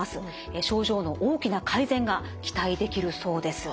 症状の大きな改善が期待できるそうです。